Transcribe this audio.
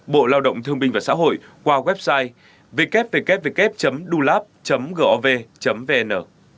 bộ lao động thương minh và xã hội qua website www dulab gov vn